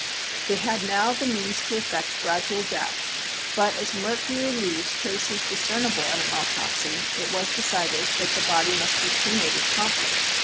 They had now the means to effect gradual death, but as mercury leaves traces discernible at an autopsy, it was decided that the body must be cremated promptly.